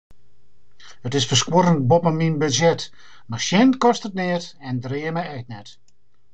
It is ferskuorrend boppe myn budzjet, mar sjen kostet neat en dreame ek net.